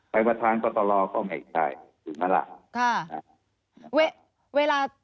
ไปประธานกตลอก็ไม่ใช่ถึงนั้นแหละ